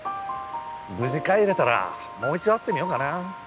無事帰れたらもう一度会ってみようかな。